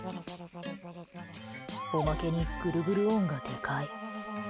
おまけにグルグル音がでかい。